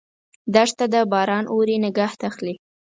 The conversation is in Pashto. دښته ده ، باران اوري، نګهت اخلي